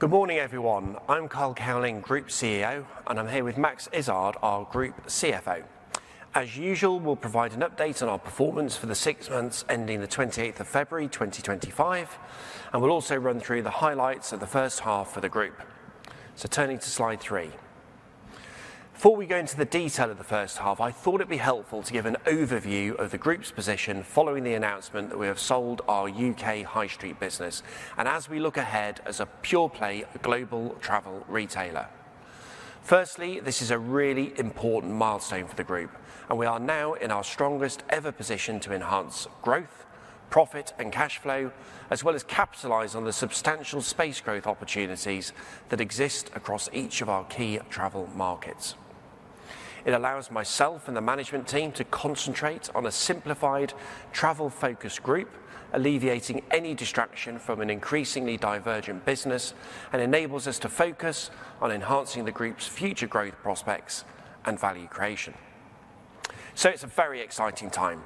Good morning, everyone. I'm Carl Cowling, Group CEO, and I'm here with Max Izzard, our Group CFO. As usual, we'll provide an update on our performance for the six months ending the 28th of February, 2025, and we'll also run through the highlights of the first half for the Group. Turning to slide three. Before we go into the detail of the first half, I thought it'd be helpful to give an overview of the Group's position following the announcement that we have sold our UK High Street business and as we look ahead as a pure-play global travel retailer. Firstly, this is a really important milestone for the Group, and we are now in our strongest ever position to enhance growth, profit, and cash flow, as well as capitalize on the substantial space growth opportunities that exist across each of our key travel markets. It allows myself and the management team to concentrate on a simplified, travel-focused Group, alleviating any distraction from an increasingly divergent business and enables us to focus on enhancing the Group's future growth prospects and value creation. It is a very exciting time,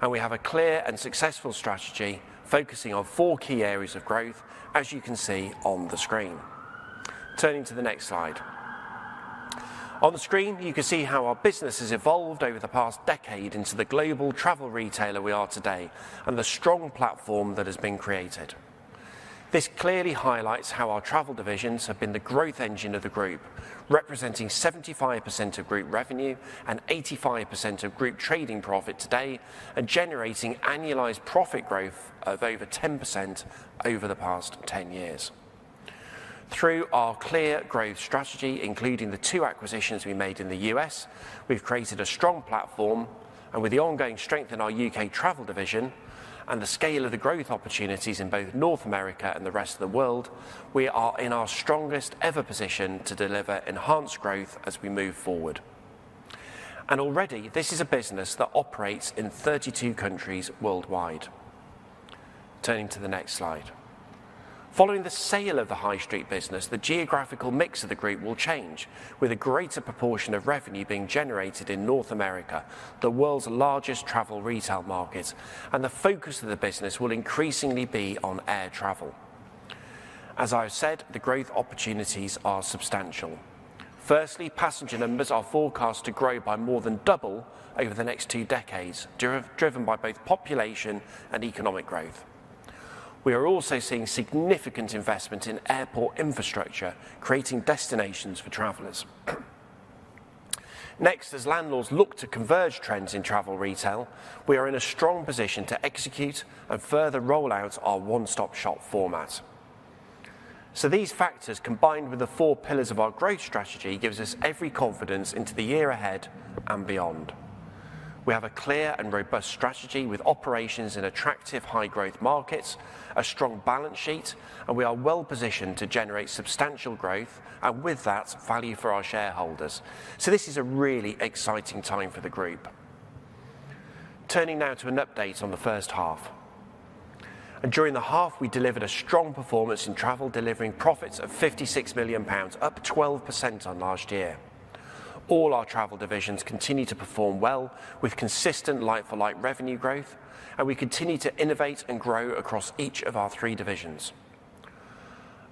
and we have a clear and successful strategy focusing on four key areas of growth, as you can see on the screen. Turning to the next slide. On the screen, you can see how our business has evolved over the past decade into the global travel retailer we are today and the strong platform that has been created. This clearly highlights how our travel divisions have been the growth engine of the Group, representing 75% of Group revenue and 85% of Group trading profit today and generating annualized profit growth of over 10% over the past 10 years. Through our clear growth strategy, including the two acquisitions we made in the U.S., we have created a strong platform, and with the ongoing strength in our U.K. travel division and the scale of the growth opportunities in both North America and the rest of the world, we are in our strongest ever position to deliver enhanced growth as we move forward. Already, this is a business that operates in 32 countries worldwide. Turning to the next slide. Following the sale of the High Street business, the geographical mix of the Group will change, with a greater proportion of revenue being generated in North America, the world's largest travel retail market, and the focus of the business will increasingly be on air travel. As I have said, the growth opportunities are substantial. Firstly, passenger numbers are forecast to grow by more than double over the next two decades, driven by both population and economic growth. We are also seeing significant investment in airport infrastructure, creating destinations for travelers. Next, as landlords look to converge trends in travel retail, we are in a strong position to execute and further roll out our one-stop shop format. These factors, combined with the four pillars of our growth strategy, give us every confidence into the year ahead and beyond. We have a clear and robust strategy with operations in attractive high-growth markets, a strong balance sheet, and we are well positioned to generate substantial growth and, with that, value for our shareholders. This is a really exciting time for the Group. Turning now to an update on the first half. During the half, we delivered a strong performance in travel, delivering profits of 56 million pounds, up 12% on last year. All our travel divisions continue to perform well with consistent like-for-like revenue growth, and we continue to innovate and grow across each of our three divisions.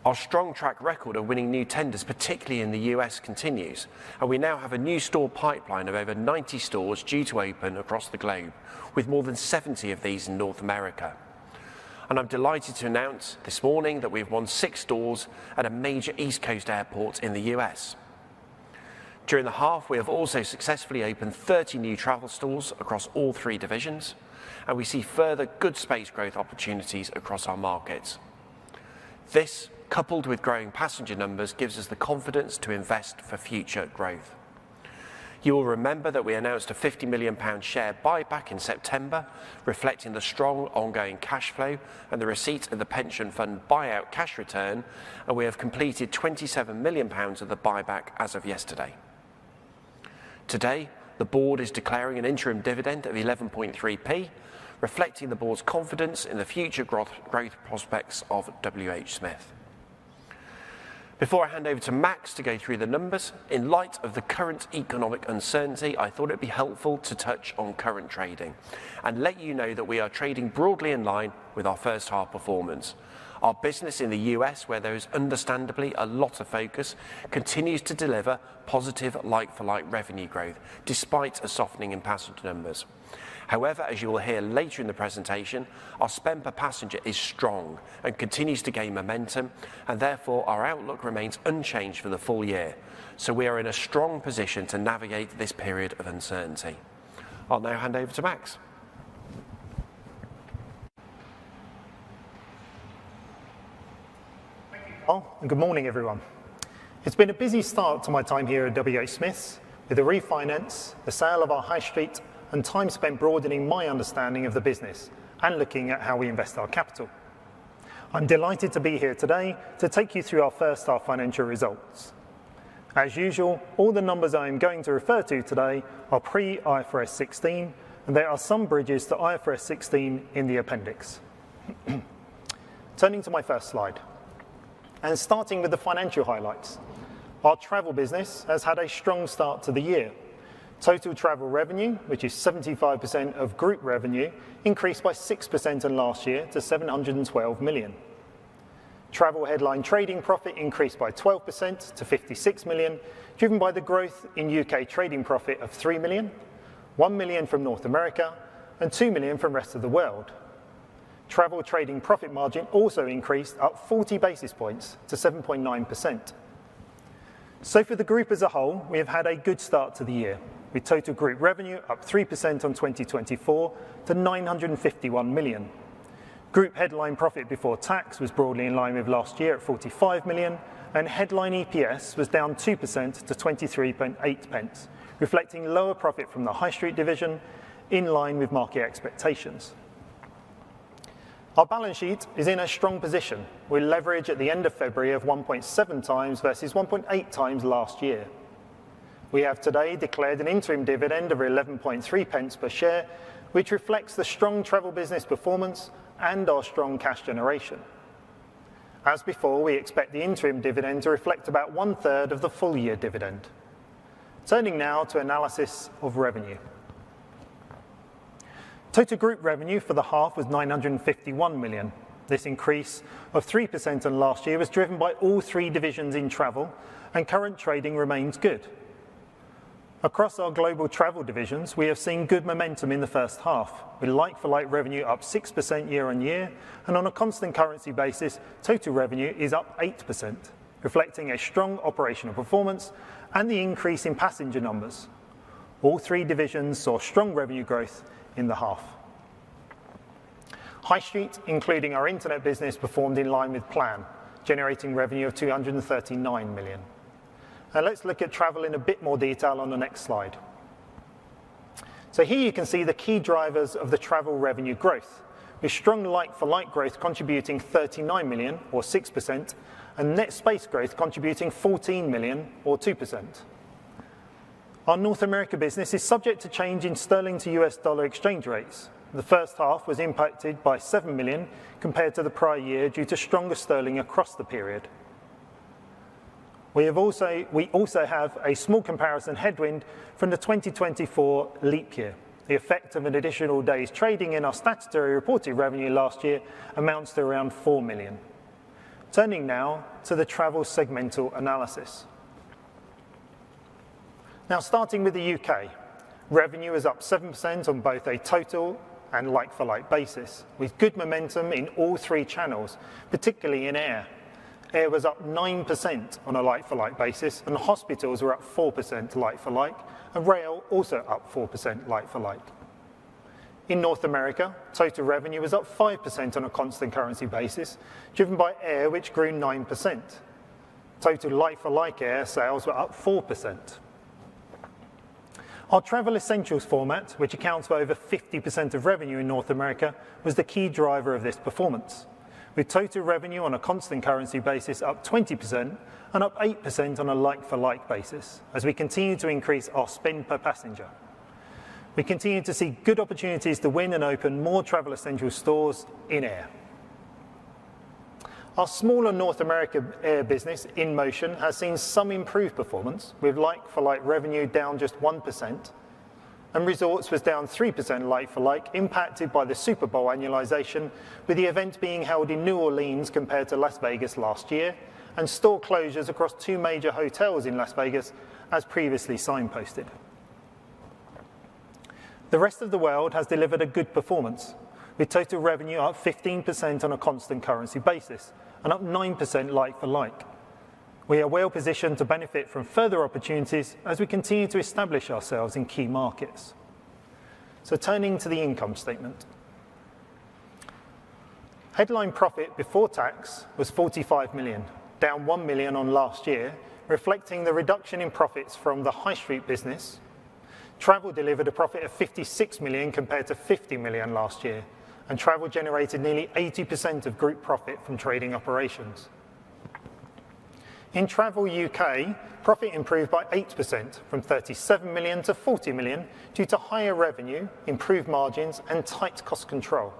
Our strong track record of winning new tenders, particularly in the U.S., continues, and we now have a new store pipeline of over 90 stores due to open across the globe, with more than 70 of these in North America. I am delighted to announce this morning that we have won six stores at a major East Coast airport in the U.S. During the half, we have also successfully opened 30 new travel stores across all three divisions, and we see further good space growth opportunities across our markets. This, coupled with growing passenger numbers, gives us the confidence to invest for future growth. You will remember that we announced a 50 million pound share buyback in September, reflecting the strong ongoing cash flow and the receipt of the pension fund buyout cash return, and we have completed 27 million pounds of the buyback as of yesterday. Today, the board is declaring an interim dividend of 0.113, reflecting the board's confidence in the future growth prospects of WH Smith. Before I hand over to Max to go through the numbers, in light of the current economic uncertainty, I thought it'd be helpful to touch on current trading and let you know that we are trading broadly in line with our first half performance. Our business in the U.S., where there is understandably a lot of focus, continues to deliver positive light-for-light revenue growth despite a softening in passenger numbers. However, as you will hear later in the presentation, our spend per passenger is strong and continues to gain momentum, and therefore our outlook remains unchanged for the full year. We are in a strong position to navigate this period of uncertainty. I'll now hand over to Max. Thank you, Carl. Good morning, everyone. It's been a busy start to my time here at WH Smith, with the refinance, the sale of our high street, and time spent broadening my understanding of the business and looking at how we invest our capital. I'm delighted to be here today to take you through our first half financial results. As usual, all the numbers I am going to refer to today are pre-IFRS 16, and there are some bridges to IFRS 16 in the appendix. Turning to my first slide and starting with the financial highlights, our travel business has had a strong start to the year. Total Travel revenue, which is 75% of Group revenue, increased by 6% in last year to 712 million. Travel headline trading profit increased by 12% to 56 million, driven by the growth in U.K. trading profit of 3 million, 1 million from North America, and 2 million from the rest of the world. Travel trading profit margin also increased up 40 basis points to 7.9%. For the Group as a whole, we have had a good start to the year, with total Group revenue up 3% on 2024 to 951 million. Group headline profit before tax was broadly in line with last year at 45 million, and headline EPS was down 2% to 0.238, reflecting lower profit from the high street division in line with market expectations. Our balance sheet is in a strong position with leverage at the end of February of 1.7x versus 1.8x last year. We have today declared an interim dividend of 0.113 per share, which reflects the strong travel business performance and our strong cash generation. As before, we expect the interim dividend to reflect about 1/3 of the full-year dividend. Turning now to analysis of revenue. Total Group revenue for the half was 951 million. This increase of 3% in last year was driven by all three divisions in travel, and current trading remains good. Across our global travel divisions, we have seen good momentum in the first half, with light-for-light revenue up 6% year on year, and on a constant currency basis, total revenue is up 8%, reflecting a strong operational performance and the increase in passenger numbers. All three divisions saw strong revenue growth in the half. High street, including our internet business, performed in line with plan, generating revenue of 239 million. Let's look at travel in a bit more detail on the next slide. Here you can see the key drivers of the travel revenue growth, with strong light-for-light growth contributing 39 million, or 6%, and net space growth contributing 14 million, or 2%. Our North America business is subject to change in sterling to US dollar exchange rates. The first half was impacted by 7 million compared to the prior year due to stronger sterling across the period. We also have a small comparison headwind from the 2024 leap year. The effect of an additional day's trading in our statutory reported revenue last year amounts to around 4 million. Turning now to the travel segmental analysis. Starting with the U.K., revenue is up 7% on both a total and light-for-light basis, with good momentum in all three channels, particularly in air. Air was up 9% on a like-for-like basis, and hospitals were up 4% like-for-like, and rail also up 4% like-for-like. In North America, total revenue was up 5% on a constant currency basis, driven by air, which grew 9%. Total like-for-like air sales were up 4%. Our Travel Essentials format, which accounts for over 50% of revenue in North America, was the key driver of this performance, with total revenue on a constant currency basis up 20% and up 8% on a like-for-like basis as we continue to increase our spend per passenger. We continue to see good opportunities to win and open more Travel Essentials stores in air. Our smaller North America air business, InMotion, has seen some improved performance, with light-for-light revenue down just 1%, and resorts was down 3% light-for-light, impacted by the Super Bowl annualization, with the event being held in New Orleans compared to Las Vegas last year and store closures across two major hotels in Las Vegas, as previously signposted. The rest of the world has delivered a good performance, with total revenue up 15% on a constant currency basis and up 9% light-for-light. We are well positioned to benefit from further opportunities as we continue to establish ourselves in key markets. Turning to the income statement. Headline profit before tax was 45 million, down 1 million on last year, reflecting the reduction in profits from the high street business. Travel delivered a profit of 56 million compared to 50 million last year, and Travel generated nearly 80% of Group profit from trading operations. In Travel UK, profit improved by 8% from 37 million to 40 million due to higher revenue, improved margins, and tight cost control.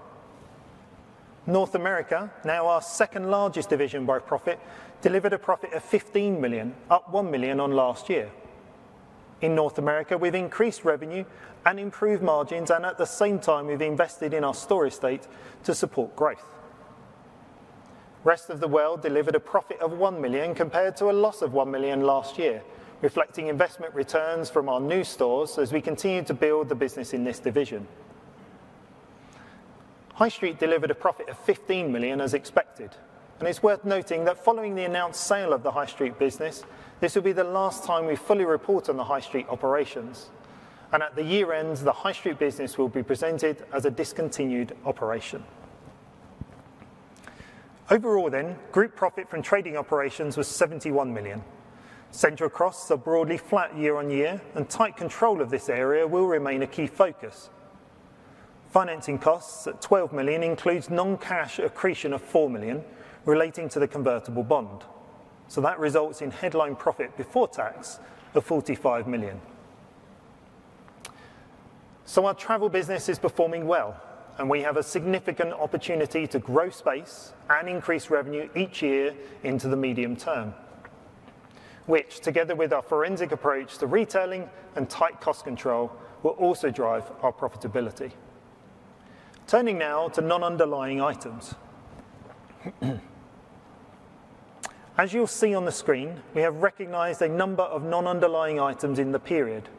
North America, now our second largest division by profit, delivered a profit of 15 million, up 1 million on last year. In North America, we've increased revenue and improved margins, and at the same time, we've invested in our store estate to support growth. Rest of the world delivered a profit of 1 million compared to a loss of 1 million last year, reflecting investment returns from our new stores as we continue to build the business in this division. High street delivered a profit of 15 million, as expected, and it's worth noting that following the announced sale of the high street business, this will be the last time we fully report on the high street operations, and at the year end, the high street business will be presented as a discontinued operation. Overall then, Group profit from trading operations was 71 million. Central costs are broadly flat year on year, and tight control of this area will remain a key focus. Financing costs at 12 million includes non-cash accretion of 4 million relating to the convertible bond. That results in headline profit before tax of 45 million. Our Travel business is performing well, and we have a significant opportunity to grow space and increase revenue each year into the medium term, which, together with our forensic approach to retailing and tight cost control, will also drive our profitability. Turning now to non-underlying items. As you'll see on the screen, we have recognized a number of non-underlying items in the period,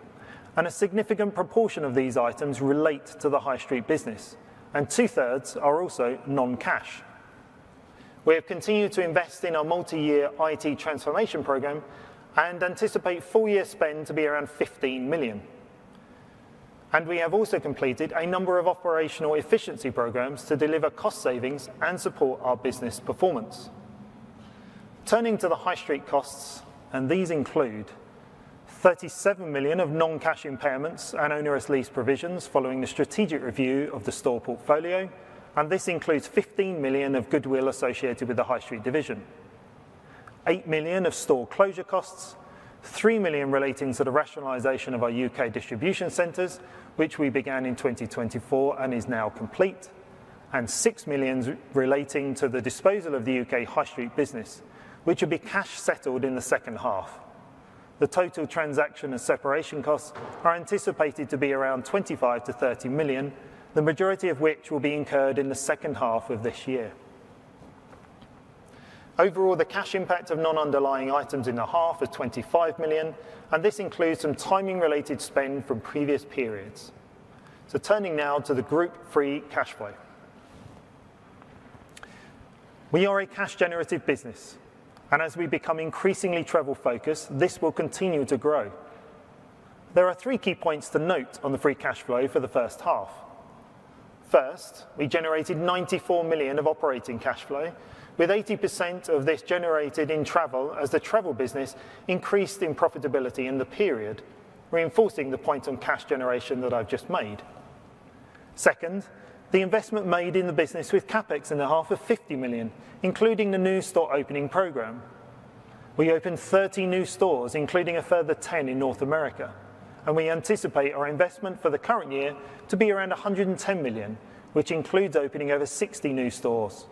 and a significant proportion of these items relate to the high street business, and two-thirds are also non-cash. We have continued to invest in our multi-year IT transformation program and anticipate full-year spend to be around 15 million. We have also completed a number of operational efficiency programs to deliver cost savings and support our business performance. Turning to the high street costs, and these include 37 million of non-cash impairments and onerous lease provisions following the strategic review of the store portfolio, and this includes 15 million of goodwill associated with the high street division, 8 million of store closure costs, 3 million relating to the rationalization of our U.K. distribution centers, which we began in 2024 and is now complete, and 6 million relating to the disposal of the U.K. high street business, which will be cash settled in the second half. The total transaction and separation costs are anticipated to be around 25 million-30 million, the majority of which will be incurred in the second half of this year. Overall, the cash impact of non-underlying items in the half is 25 million, and this includes some timing-related spend from previous periods. Turning now to the Group free cash flow. We are a cash-generative business, and as we become increasingly travel-focused, this will continue to grow. There are three key points to note on the free cash flow for the first half. First, we generated 94 million of operating cash flow, with 80% of this generated in travel as the travel business increased in profitability in the period, reinforcing the points on cash generation that I've just made. Second, the investment made in the business with CapEx in the half of 50 million, including the new store opening program. We opened 30 new stores, including a further 10 in North America, and we anticipate our investment for the current year to be around 110 million, which includes opening over 60 new stores,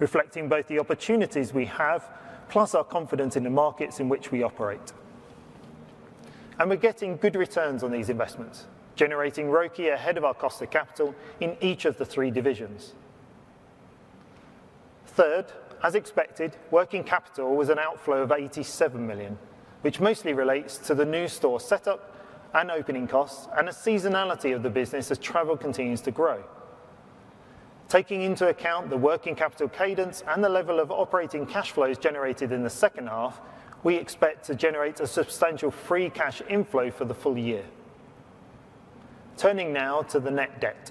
reflecting both the opportunities we have plus our confidence in the markets in which we operate. We're getting good returns on these investments, generating ROCE ahead of our cost of capital in each of the three divisions. Third, as expected, working capital was an outflow of 87 million, which mostly relates to the new store setup and opening costs and the seasonality of the business as travel continues to grow. Taking into account the working capital cadence and the level of operating cash flows generated in the second half, we expect to generate a substantial free cash inflow for the full year. Turning now to the net debt.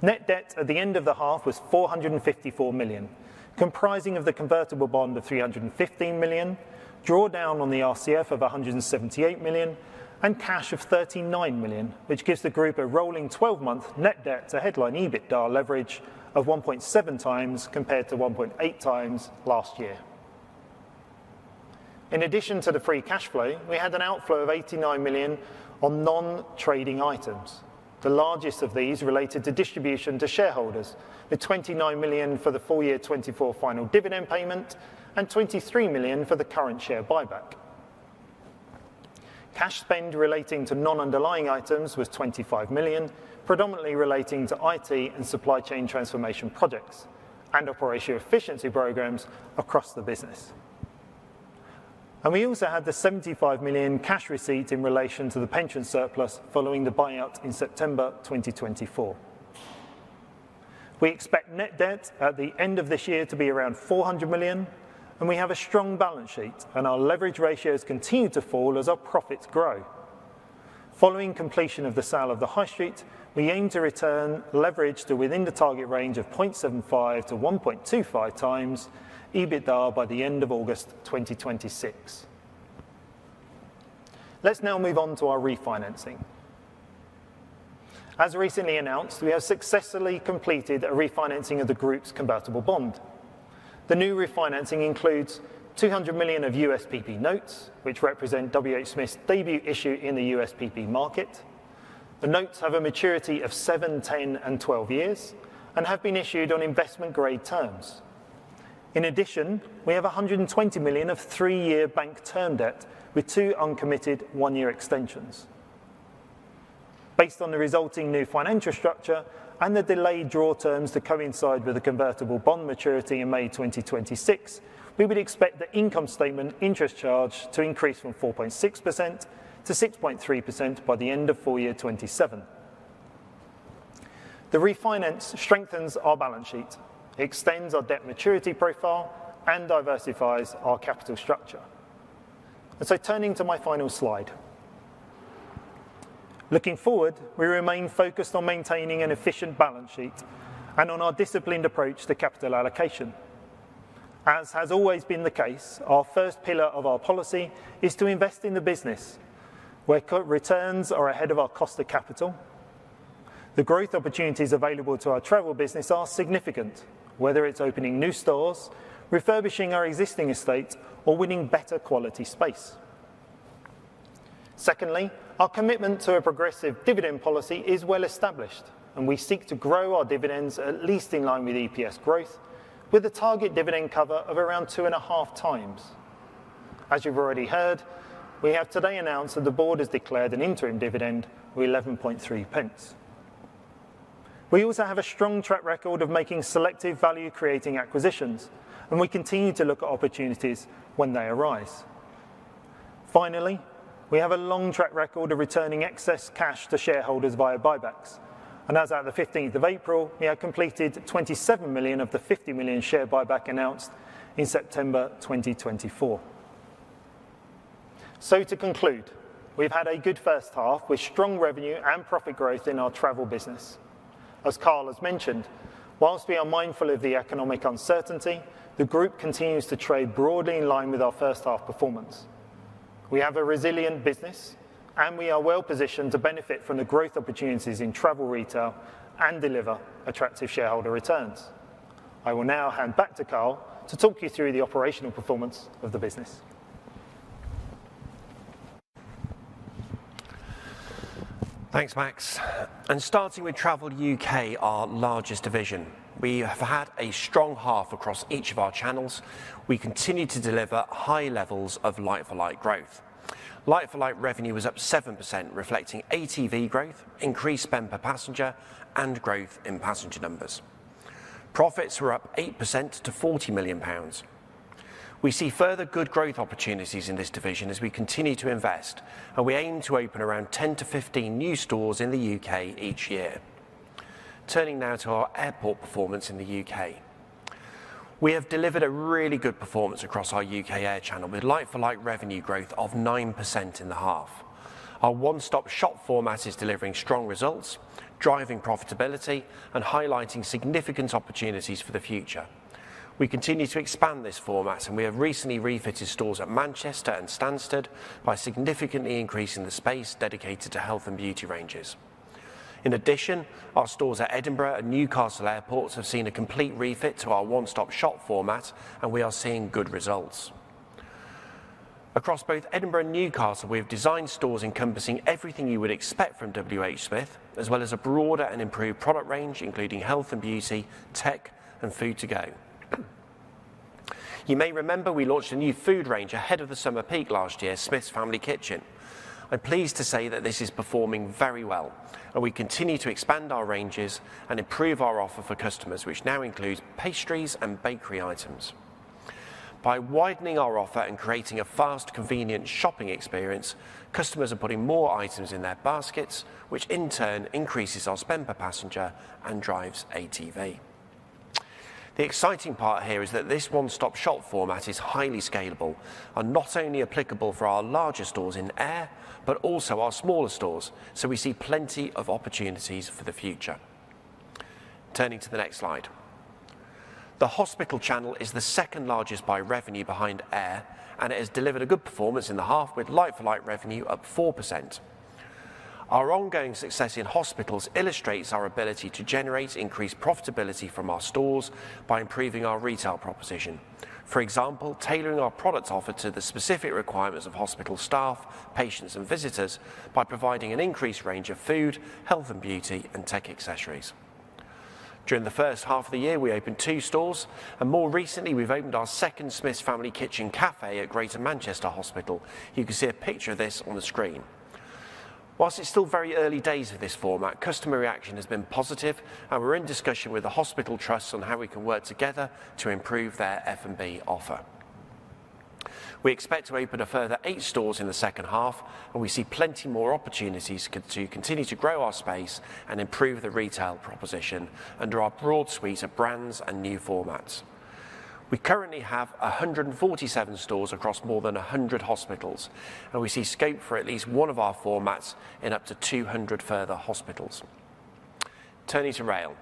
Net debt at the end of the half was 454 million, comprising of the convertible bond of 315 million, drawdown on the RCF of 178 million, and cash of 39 million, which gives the Group a rolling 12-month net debt to headline EBITDA leverage of 1.7x compared to 1.8x last year. In addition to the free cash flow, we had an outflow of 89 million on non-trading items. The largest of these related to distribution to shareholders, with 29 million for the full year 2024 final dividend payment and 23 million for the current share buyback. Cash spend relating to non-underlying items was 25 million, predominantly relating to IT and supply chain transformation projects and operational efficiency programs across the business. We also had the 75 million cash receipt in relation to the pension surplus following the buyout in September 2024. We expect net debt at the end of this year to be around 400 million, and we have a strong balance sheet, and our leverage ratios continue to fall as our profits grow. Following completion of the sale of the high street, we aim to return leverage to within the target range of 0.75-1.25x EBITDA by the end of August 2026. Let's now move on to our refinancing. As recently announced, we have successfully completed a refinancing of the Group's convertible bond. The new refinancing includes 200 million of USPP notes, which represent WH Smith's debut issue in the USPP market. The notes have a maturity of 7, 10, and 12 years and have been issued on investment-grade terms. In addition, we have 120 million of three-year bank term debt with two uncommitted one-year extensions. Based on the resulting new financial structure and the delayed draw terms to coincide with the convertible bond maturity in May 2026, we would expect the income statement interest charge to increase from 4.6%-6.3% by the end of full year 2027. The refinance strengthens our balance sheet, extends our debt maturity profile, and diversifies our capital structure. Turning to my final slide. Looking forward, we remain focused on maintaining an efficient balance sheet and on our disciplined approach to capital allocation. As has always been the case, our first pillar of our policy is to invest in the business. Where cut returns are ahead of our cost of capital. The growth opportunities available to our travel business are significant, whether it is opening new stores, refurbishing our existing estate, or winning better quality space. Secondly, our commitment to a progressive dividend policy is well established, and we seek to grow our dividends at least in line with EPS growth, with a target dividend cover of around two and a half times. As you have already heard, we have today announced that the board has declared an interim dividend of 0.11. We also have a strong track record of making selective value-creating acquisitions, and we continue to look at opportunities when they arise. Finally, we have a long track record of returning excess cash to shareholders via buybacks, and as of the 15th of April, we have completed 27 million of the 50 million share buyback announced in September 2024. To conclude, we've had a good first half with strong revenue and profit growth in our travel business. As Carl has mentioned, whilst we are mindful of the economic uncertainty, the Group continues to trade broadly in line with our first half performance. We have a resilient business, and we are well positioned to benefit from the growth opportunities in travel retail and deliver attractive shareholder returns. I will now hand back to Carl to talk you through the operational performance of the business. Thanks, Max. Starting with Travel UK, our largest division, we have had a strong half across each of our channels. We continue to deliver high levels of light-for-light growth. Light-for-light revenue was up 7%, reflecting ATV growth, increased spend per passenger, and growth in passenger numbers. Profits were up 8% to 40 million pounds. We see further good growth opportunities in this division as we continue to invest, and we aim to open around 10-15 new stores in the U.K. each year. Turning now to our airport performance in the U.K. We have delivered a really good performance across our U.K. air channel with light-for-light revenue growth of 9% in the half. Our one-stop shop format is delivering strong results, driving profitability, and highlighting significant opportunities for the future. We continue to expand this format, and we have recently refitted stores at Manchester and Stansted by significantly increasing the space dedicated to health and beauty ranges. In addition, our stores at Edinburgh and Newcastle airports have seen a complete refit to our one-stop shop format, and we are seeing good results. Across both Edinburgh and Newcastle, we have designed stores encompassing everything you would expect from WH Smith, as well as a broader and improved product range, including health and beauty, tech, and food to go. You may remember we launched a new food range ahead of the summer peak last year, Smith's Family Kitchen. I'm pleased to say that this is performing very well, and we continue to expand our ranges and improve our offer for customers, which now includes pastries and bakery items. By widening our offer and creating a fast, convenient shopping experience, customers are putting more items in their baskets, which in turn increases our spend per passenger and drives ATV. The exciting part here is that this one-stop shop format is highly scalable and not only applicable for our larger stores in air, but also our smaller stores, so we see plenty of opportunities for the future. Turning to the next slide. The hospital channel is the second largest by revenue behind air, and it has delivered a good performance in the half with light-for-light revenue up 4%. Our ongoing success in hospitals illustrates our ability to generate increased profitability from our stores by improving our retail proposition. For example, tailoring our product offer to the specific requirements of hospital staff, patients, and visitors by providing an increased range of food, health and beauty, and tech accessories. During the first half of the year, we opened two stores, and more recently, we've opened our second Smith's Family Kitchen Cafe at Greater Manchester Hospital. You can see a picture of this on the screen. Whilst it's still very early days of this format, customer reaction has been positive, and we're in discussion with the hospital trusts on how we can work together to improve their F&B offer. We expect to open a further eight stores in the second half, and we see plenty more opportunities to continue to grow our space and improve the retail proposition under our broad suite of brands and new formats. We currently have 147 stores across more than 100 hospitals, and we see scope for at least one of our formats in up to 200 further hospitals. Turning to rail.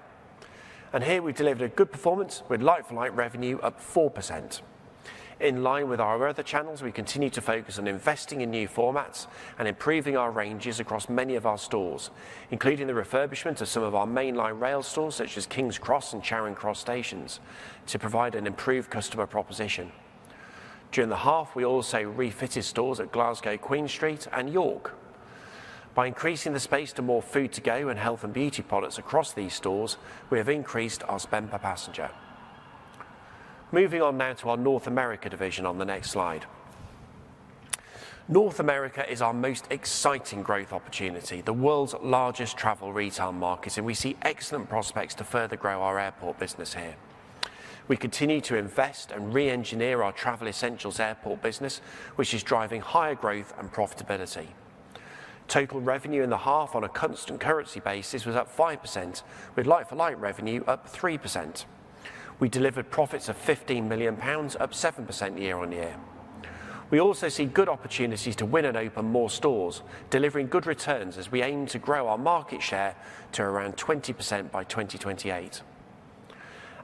Here we've delivered a good performance with light-for-light revenue up 4%. In line with our other channels, we continue to focus on investing in new formats and improving our ranges across many of our stores, including the refurbishment of some of our mainline rail stores such as King's Cross and Charing Cross stations to provide an improved customer proposition. During the half, we also refitted stores at Glasgow Queen Street and York. By increasing the space to more food to go and health and beauty products across these stores, we have increased our spend per passenger. Moving on now to our North America division on the next slide. North America is our most exciting growth opportunity, the world's largest travel retail market, and we see excellent prospects to further grow our airport business here. We continue to invest and re-engineer our Travel Essentials airport business, which is driving higher growth and profitability. Total revenue in the half on a constant currency basis was up 5%, with light-for-light revenue up 3%. We delivered profits of 15 million pounds, up 7% year on year. We also see good opportunities to win and open more stores, delivering good returns as we aim to grow our market share to around 20% by 2028.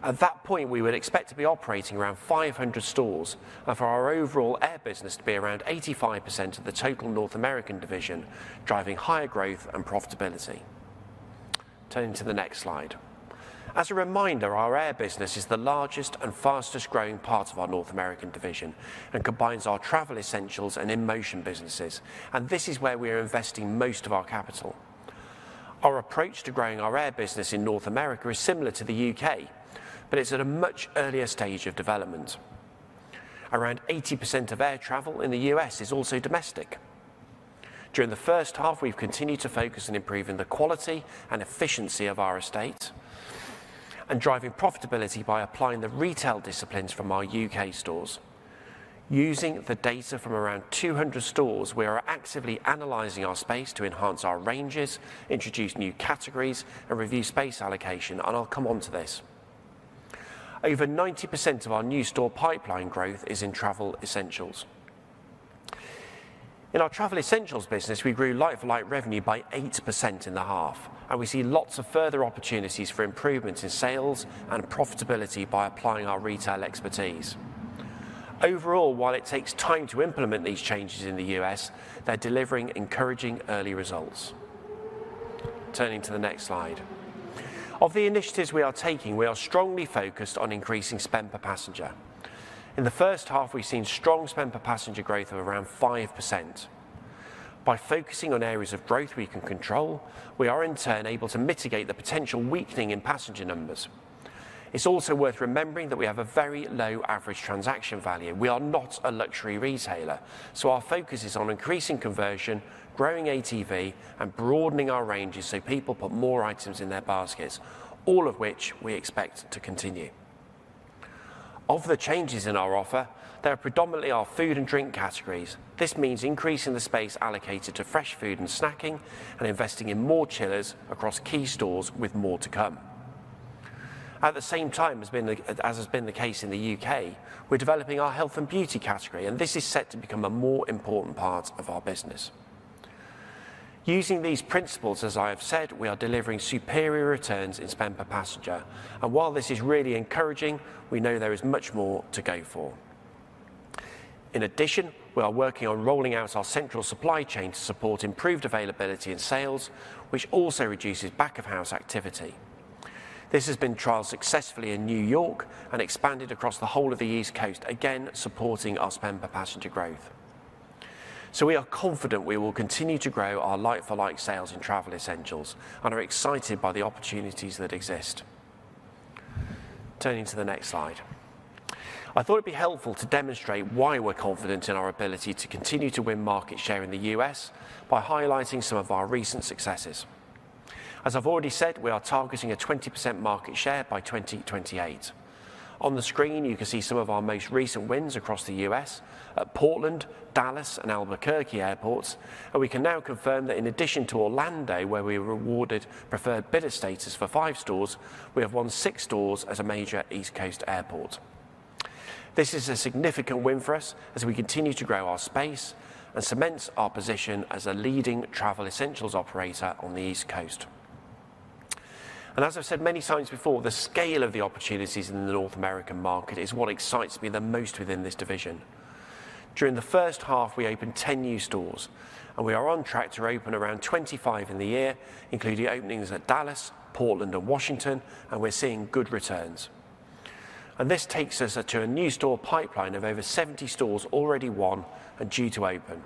At that point, we would expect to be operating around 500 stores and for our overall air business to be around 85% of the total North American division, driving higher growth and profitability. Turning to the next slide. As a reminder, our air business is the largest and fastest growing part of our North American division and combines our Travel Essentials and InMotion businesses, and this is where we are investing most of our capital. Our approach to growing our air business in North America is similar to the U.K., but it's at a much earlier stage of development. Around 80% of air travel in the U.S. is also domestic. During the first half, we've continued to focus on improving the quality and efficiency of our estate and driving profitability by applying the retail disciplines from our U.K. stores. Using the data from around 200 stores, we are actively analysing our space to enhance our ranges, introduce new categories, and review space allocation, and I'll come on to this. Over 90% of our new store pipeline growth is in Travel Essentials. In our Travel Essentials business, we grew light-for-light revenue by 8% in the half, and we see lots of further opportunities for improvements in sales and profitability by applying our retail expertise. Overall, while it takes time to implement these changes in the U.S., they're delivering encouraging early results. Turning to the next slide. Of the initiatives we are taking, we are strongly focused on increasing spend per passenger. In the first half, we've seen strong spend per passenger growth of around 5%. By focusing on areas of growth we can control, we are in turn able to mitigate the potential weakening in passenger numbers. It's also worth remembering that we have a very low average transaction value. We are not a luxury retailer, so our focus is on increasing conversion, growing ATV, and broadening our ranges so people put more items in their baskets, all of which we expect to continue. Of the changes in our offer, there are predominantly our food and drink categories. This means increasing the space allocated to fresh food and snacking and investing in more chillers across key stores with more to come. At the same time, as has been the case in the U.K., we're developing our health and beauty category, and this is set to become a more important part of our business. Using these principles, as I have said, we are delivering superior returns in spend per passenger, and while this is really encouraging, we know there is much more to go for. In addition, we are working on rolling out our central supply chain to support improved availability in sales, which also reduces back-of-house activity. This has been trialed successfully in New York and expanded across the whole of the East Coast, again supporting our spend per passenger growth. We are confident we will continue to grow our light-for-light sales in Travel Essentials and are excited by the opportunities that exist. Turning to the next slide. I thought it'd be helpful to demonstrate why we're confident in our ability to continue to win market share in the U.S. by highlighting some of our recent successes. As I've already said, we are targeting a 20% market share by 2028. On the screen, you can see some of our most recent wins across the U.S. at Portland, Dallas, and Albuquerque airports, and we can now confirm that in addition to Orlando, where we were awarded preferred bidder status for five stores, we have won six stores at a major East Coast airport. This is a significant win for us as we continue to grow our space and cement our position as a leading Travel Essentials operator on the East Coast. As I have said many times before, the scale of the opportunities in the North American market is what excites me the most within this division. During the first half, we opened 10 new stores, and we are on track to open around 25 in the year, including openings at Dallas, Portland, and Washington, and we are seeing good returns. This takes us to a new store pipeline of over 70 stores already won and due to open.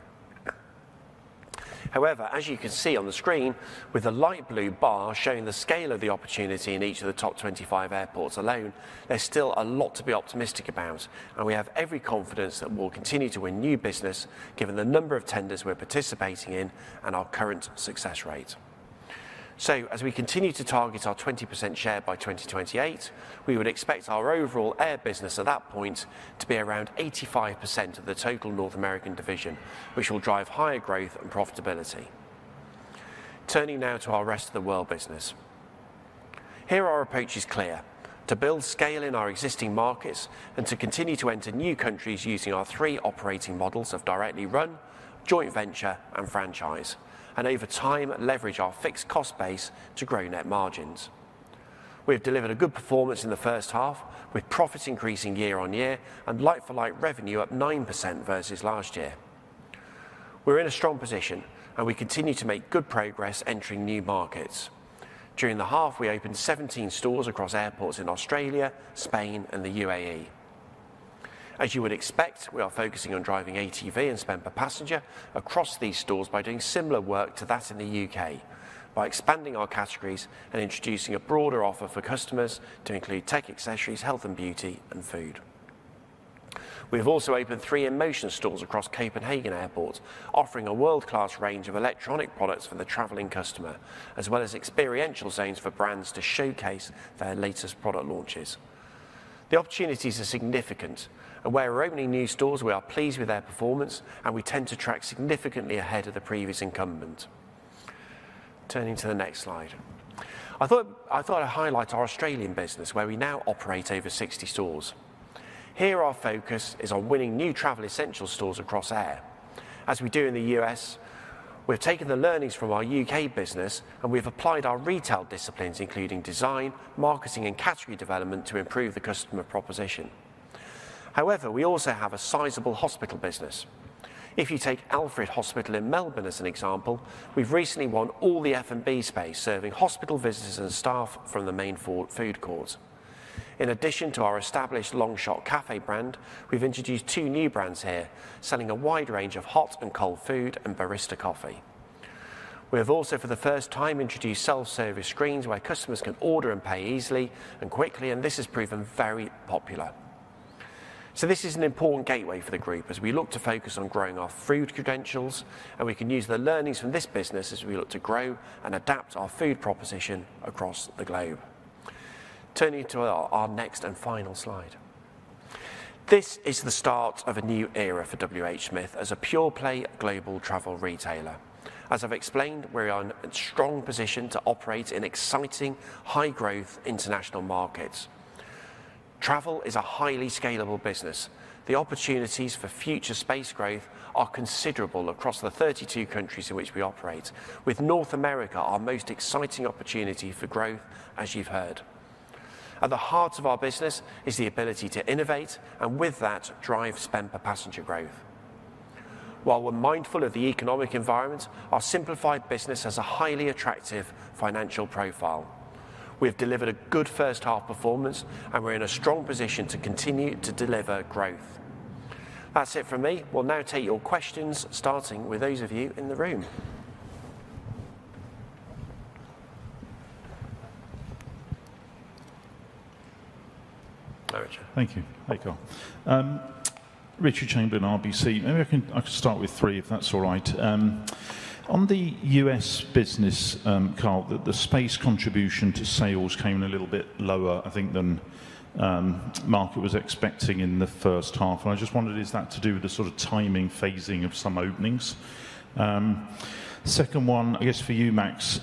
However, as you can see on the screen, with the light blue bar showing the scale of the opportunity in each of the top 25 airports alone, there is still a lot to be optimistic about, and we have every confidence that we will continue to win new business given the number of tenders we are participating in and our current success rate. As we continue to target our 20% share by 2028, we would expect our overall air business at that point to be around 85% of the total North American division, which will drive higher growth and profitability. Turning now to our rest of the world business. Here our approach is clear: to build scale in our existing markets and to continue to enter new countries using our three operating models of directly run, joint venture, and franchise, and over time leverage our fixed cost base to grow net margins. We have delivered a good performance in the first half, with profits increasing year on year and light-for-light revenue up 9% versus last year. We are in a strong position, and we continue to make good progress entering new markets. During the half, we opened 17 stores across airports in Australia, Spain, and the UAE. As you would expect, we are focusing on driving ATV and spend per passenger across these stores by doing similar work to that in the U.K., by expanding our categories and introducing a broader offer for customers to include tech accessories, health and beauty, and food. We have also opened three InMotion stores across Copenhagen Airports, offering a world-class range of electronic products for the traveling customer, as well as experiential zones for brands to showcase their latest product launches. The opportunities are significant, and where we're opening new stores, we are pleased with their performance, and we tend to track significantly ahead of the previous incumbent. Turning to the next slide. I thought I'd highlight our Australian business, where we now operate over 60 stores. Here our focus is on winning new Travel Essentials stores across air. As we do in the U.S., we've taken the learnings from our U.K. business, and we've applied our retail disciplines, including design, marketing, and category development, to improve the customer proposition. However, we also have a sizable hospital business. If you take Alfred Hospital in Melbourne as an example, we've recently won all the F&B space, serving hospital visitors and staff from the main food court. In addition to our established Long Shot cafe brand, we've introduced two new brands here, selling a wide range of hot and cold food and barista coffee. We have also, for the first time, introduced self-service screens where customers can order and pay easily and quickly, and this has proven very popular. This is an important gateway for the group as we look to focus on growing our food credentials, and we can use the learnings from this business as we look to grow and adapt our food proposition across the globe. Turning to our next and final slide. This is the start of a new era for WH Smith as a pure-play global travel retailer. As I've explained, we are in a strong position to operate in exciting, high-growth international markets. Travel is a highly scalable business. The opportunities for future space growth are considerable across the 32 countries in which we operate, with North America our most exciting opportunity for growth, as you've heard. At the heart of our business is the ability to innovate and, with that, drive spend per passenger growth. While we're mindful of the economic environment, our simplified business has a highly attractive financial profile. We've delivered a good first-half performance, and we're in a strong position to continue to deliver growth. That's it from me. We'll now take your questions, starting with those of you in the room. Thank you. Hi, Carl. Richard Chamberlain, RBC. Maybe I can start with three, if that's all right. On the U.S. business, Carl, the space contribution to sales came in a little bit lower, I think, than the market was expecting in the first half. I just wondered, is that to do with the sort of timing phasing of some openings? Second one, I guess for you, Max.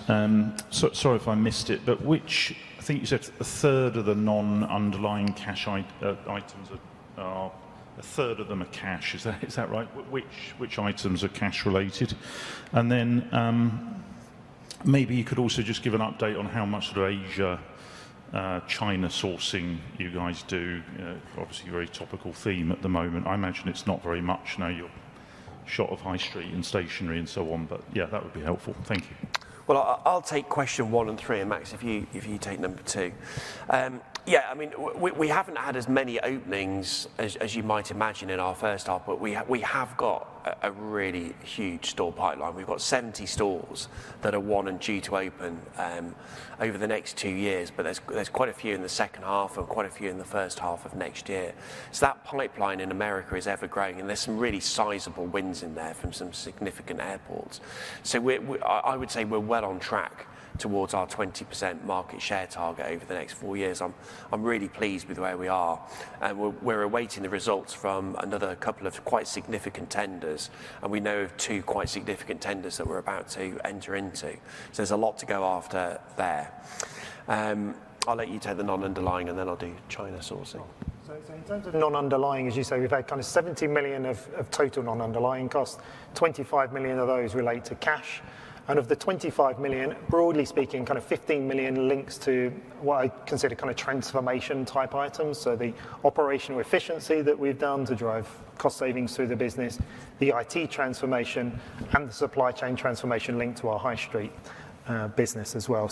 Sorry if I missed it, but which, I think you said a third of the non-underlying cash items are a third of them are cash. Is that right? Which items are cash-related? Maybe you could also just give an update on how much of the Asia-China sourcing you guys do. Obviously, a very topical theme at the moment. I imagine it is not very much now. You are shot of high street and stationery and so on, but yeah, that would be helpful. Thank you. I will take question one and three, and Max, if you take number two. I mean, we have not had as many openings as you might imagine in our first half, but we have got a really huge store pipeline. We have got 70 stores that are won and due to open over the next two years, but there are quite a few in the second half and quite a few in the first half of next year. That pipeline in America is ever-growing, and there are some really sizable wins in there from some significant airports. I would say we're well on track towards our 20% market share target over the next four years. I'm really pleased with where we are. We're awaiting the results from another couple of quite significant tenders, and we know of two quite significant tenders that we're about to enter into. There's a lot to go after there. I'll let you take the non-underlying, and then I'll do China sourcing. In terms of non-underlying, as you say, we've had kind of 70 million of total non-underlying costs. 25 million of those relate to cash. Of the 25 million, broadly speaking, kind of 15 million links to what I consider kind of transformation-type items. The operational efficiency that we've done to drive cost savings through the business, the IT transformation, and the supply chain transformation linked to our high street business as well.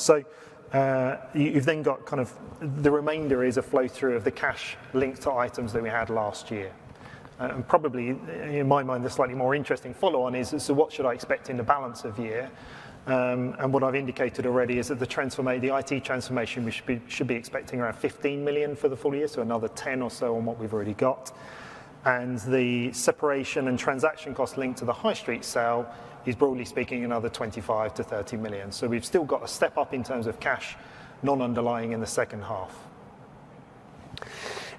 You have then got kind of the remainder is a flow-through of the cash linked to items that we had last year. Probably, in my mind, the slightly more interesting follow-on is, what should I expect in the balance of year? What I have indicated already is that the IT transformation, we should be expecting around 15 million for the full year, so another 10 million or so on what we have already got. The separation and transaction cost linked to the high street sale is, broadly speaking, another 25 million-30 million. We have still got a step up in terms of cash non-underlying in the second half.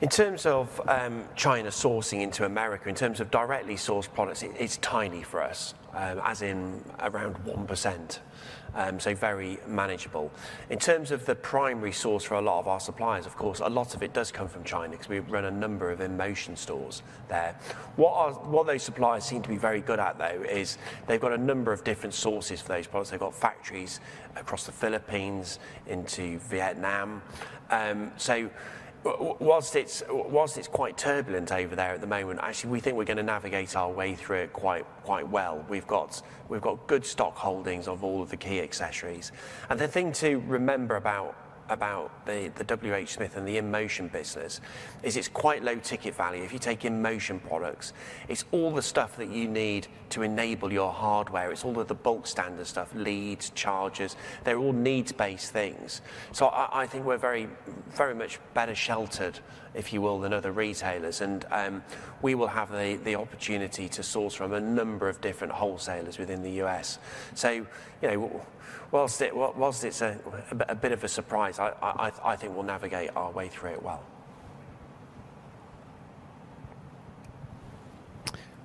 In terms of China sourcing into America, in terms of directly sourced products, it is tiny for us, as in around 1%. Very manageable. In terms of the primary source for a lot of our suppliers, of course, a lot of it does come from China because we run a number of InMotion stores there. What those suppliers seem to be very good at, though, is they've got a number of different sources for those products. They've got factories across the Philippines into Vietnam. Whilst it's quite turbulent over there at the moment, actually, we think we're going to navigate our way through it quite well. We've got good stock holdings of all of the key accessories. The thing to remember about the WH Smith and the InMotion business is it's quite low ticket value. If you take InMotion products, it's all the stuff that you need to enable your hardware. It's all of the bulk standard stuff, leads, chargers. They're all needs-based things. I think we're very much better sheltered, if you will, than other retailers. We will have the opportunity to source from a number of different wholesalers within the U.S. Whilst it's a bit of a surprise, I think we'll navigate our way through it well.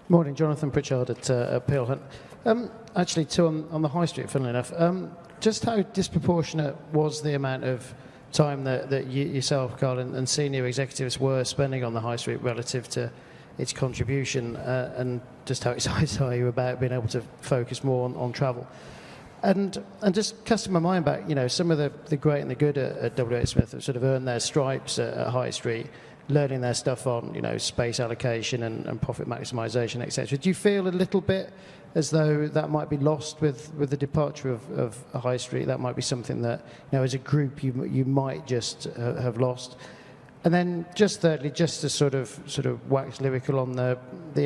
Morning, Jonathan Pritchard at Peel Hunt. Actually, two on the high street, funnily enough, just how disproportionate was the amount of time that you yourself, Carl, and senior executives were spending on the high street relative to its contribution and just how excited you were about being able to focus more on travel? Just cast my mind back, some of the great and the good at WH Smith have sort of earned their stripes at high street, learning their stuff on space allocation and profit maximization, etc. Do you feel a little bit as though that might be lost with the departure of high street? That might be something that, as a group, you might just have lost. Just thirdly, just to sort of wax lyrical on the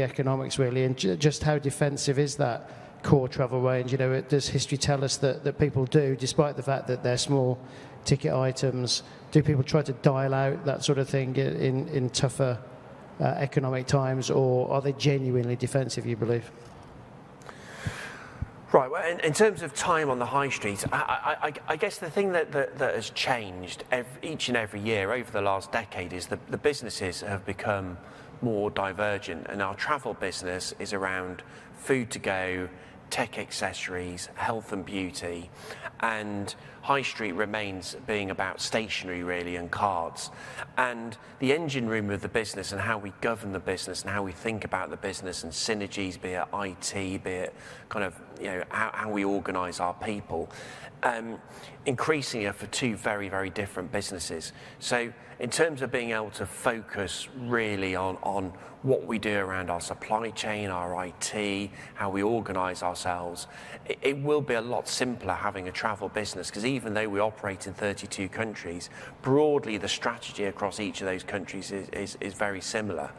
economics, really, and just how defensive is that core travel range? Does history tell us that people do, despite the fact that they're small ticket items? Do people try to dial out that sort of thing in tougher economic times, or are they genuinely defensive, you believe? In terms of time on the high street, I guess the thing that has changed each and every year over the last decade is the businesses have become more divergent. Our travel business is around food to go, tech accessories, health and beauty, and high street remains being about stationery, really, and cards. The engine room of the business and how we govern the business and how we think about the business and synergies, be it IT, be it kind of how we organize our people, increasingly are for two very, very different businesses. In terms of being able to focus really on what we do around our supply chain, our IT, how we organize ourselves, it will be a lot simpler having a travel business because even though we operate in 32 countries, broadly, the strategy across each of those countries is very similar.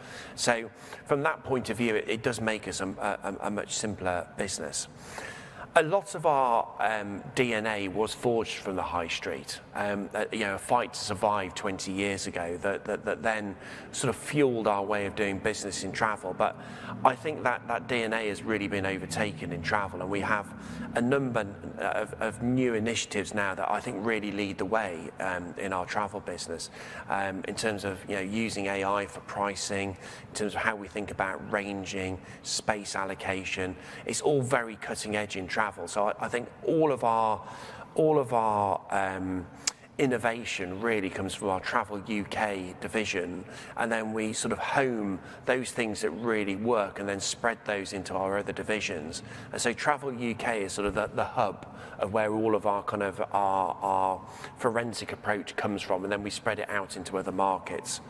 From that point of view, it does make us a much simpler business. A lot of our DNA was forged from the high street, a fight to survive 20 years ago that then sort of fueled our way of doing business in travel. I think that DNA has really been overtaken in travel. We have a number of new initiatives now that I think really lead the way in our travel business in terms of using AI for pricing, in terms of how we think about ranging, space allocation. It is all very cutting-edge in travel. I think all of our innovation really comes from our Travel UK division. We sort of home those things that really work and then spread those into our other divisions. Travel UK is sort of the hub of where all of our kind of forensic approach comes from, and then we spread it out into other markets.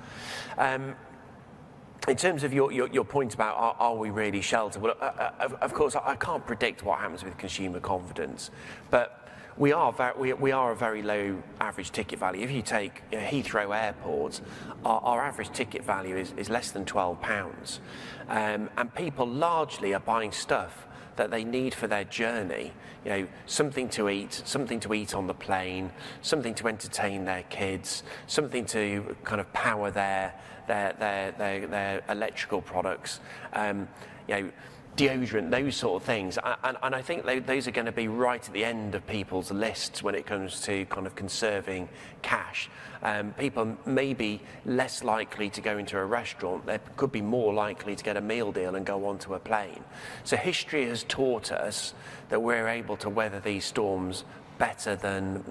In terms of your point about are we really sheltered, of course, I cannot predict what happens with consumer confidence, but we are a very low average ticket value. If you take Heathrow Airport, our average ticket value is less than 12 pounds. People largely are buying stuff that they need for their journey, something to eat, something to eat on the plane, something to entertain their kids, something to kind of power their electrical products, deodorant, those sort of things. I think those are going to be right at the end of people's lists when it comes to kind of conserving cash. People may be less likely to go into a restaurant. They could be more likely to get a meal deal and go onto a plane. History has taught us that we're able to weather these storms better than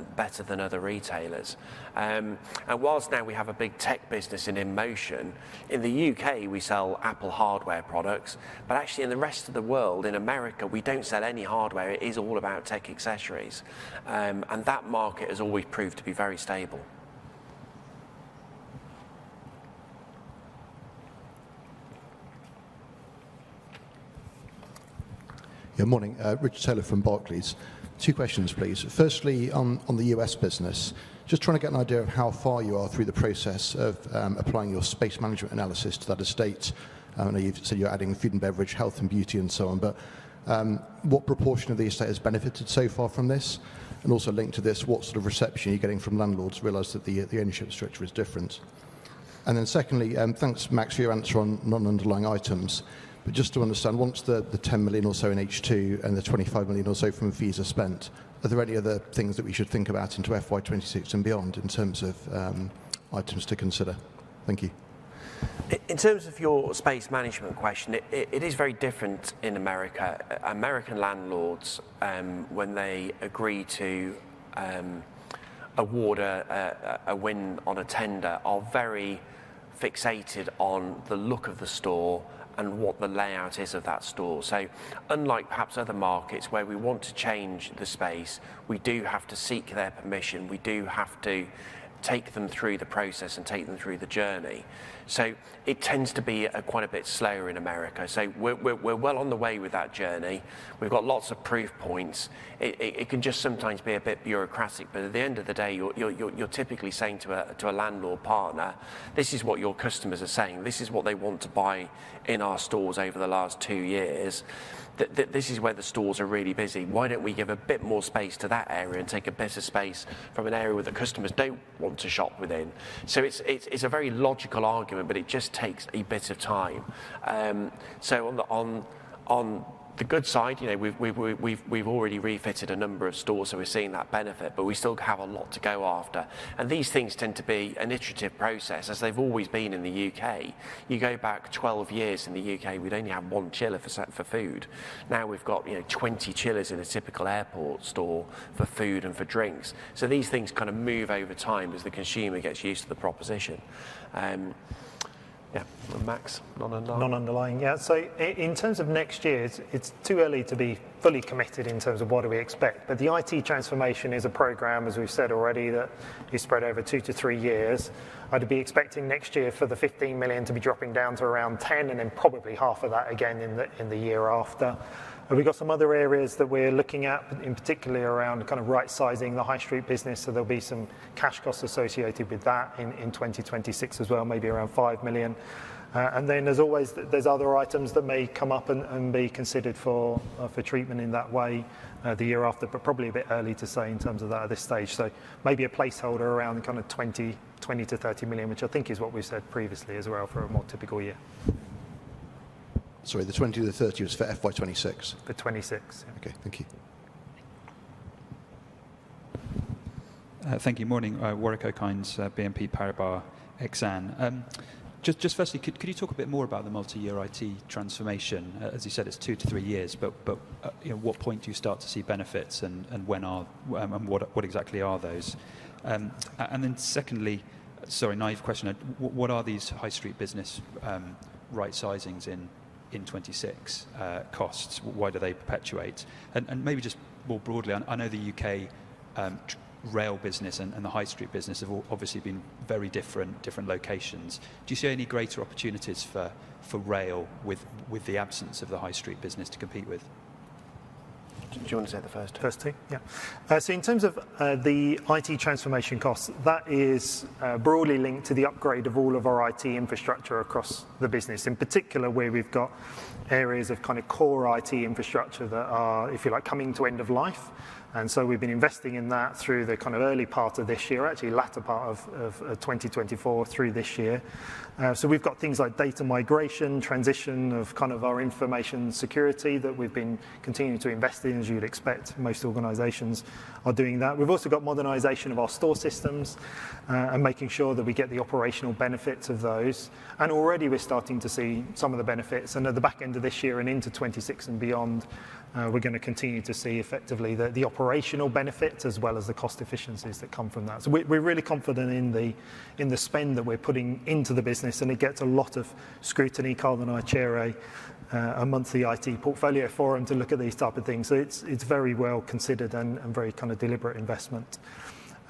other retailers. Whilst now we have a big tech business in InMotion, in the U.K., we sell Apple hardware products. Actually, in the rest of the world, in America, we do not sell any hardware. It is all about tech accessories. That market has always proved to be very stable. Yeah. Morning. Richard Taylor from Barclays. Two questions, please. Firstly, on the U.S. business, just trying to get an idea of how far you are through the process of applying your space management analysis to that estate. I know you've said you're adding food and beverage, health and beauty, and so on. What proportion of the estate has benefited so far from this? Also linked to this, what sort of reception are you getting from landlords who realize that the ownership structure is different? Secondly, thanks, Max, for your answer on non-underlying items. Just to understand, once the 10 million or so in H2 and the 25 million or so from fees are spent, are there any other things that we should think about into FY 2026 and beyond in terms of items to consider? Thank you. In terms of your space management question, it is very different in America. American landlords, when they agree to award a win on a tender, are very fixated on the look of the store and what the layout is of that store. Unlike perhaps other markets where we want to change the space, we do have to seek their permission. We do have to take them through the process and take them through the journey. It tends to be quite a bit slower in America. We are well on the way with that journey. We have got lots of proof points. It can just sometimes be a bit bureaucratic. At the end of the day, you are typically saying to a landlord partner, "This is what your customers are saying. This is what they want to buy in our stores over the last two years. This is where the stores are really busy. Why don't we give a bit more space to that area and take a bit of space from an area where the customers don't want to shop within? It is a very logical argument, but it just takes a bit of time. On the good side, we've already refitted a number of stores, so we're seeing that benefit, but we still have a lot to go after. These things tend to be an iterative process, as they've always been in the U.K. You go back 12 years in the U.K., we'd only have one chiller for food. Now we've got 20 chillers in a typical airport store for food and for drinks. These things kind of move over time as the consumer gets used to the proposition. Yeah. Max, non-underlying. Non-underlying. Yeah. In terms of next year, it's too early to be fully committed in terms of what do we expect. The IT transformation is a program, as we've said already, that is spread over two to three years. I'd be expecting next year for the 15 million to be dropping down to around 10 million and then probably half of that again in the year after. We've got some other areas that we're looking at, in particular around kind of right-sizing the high street business. There will be some cash costs associated with that in 2026 as well, maybe around 5 million. There are other items that may come up and be considered for treatment in that way the year after, but probably a bit early to say in terms of that at this stage. Maybe a placeholder around kind of 20 million-30 million, which I think is what we said previously as well for a more typical year. Sorry, the 20 million to the 30 million is for FY 2026? The 2026. Okay. Thank you. Thank you. Morning. Warwick Okines, BNP Paribas Exane. Just firstly, could you talk a bit more about the multi-year IT transformation? As you said, it is two to three years, but at what point do you start to see benefits and what exactly are those? Secondly, sorry, naive question, what are these high street business right-sizings in 2026 costs? Why do they perpetuate? Maybe just more broadly, I know the UK rail business and the high street business have obviously been very different locations. Do you see any greater opportunities for rail with the absence of the high street business to compete with? Do you want to say the first two? First two, yeah. In terms of the IT transformation costs, that is broadly linked to the upgrade of all of our IT infrastructure across the business, in particular where we've got areas of kind of core IT infrastructure that are, if you like, coming to end of life. We have been investing in that through the kind of early part of this year, actually latter part of 2024 through this year. We have things like data migration, transition of kind of our information security that we've been continuing to invest in, as you'd expect. Most organizations are doing that. We have also got modernization of our store systems and making sure that we get the operational benefits of those. Already we're starting to see some of the benefits. At the back end of this year and into 2026 and beyond, we're going to continue to see effectively the operational benefits as well as the cost efficiencies that come from that. We're really confident in the spend that we're putting into the business, and it gets a lot of scrutiny. Carl and I chair a monthly IT portfolio forum to look at these type of things. It's very well considered and very kind of deliberate investment.